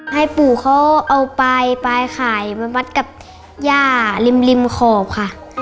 ให้ปู่เขาเอาปลายปลายขายมามัดกับย่าริมขอบค่ะ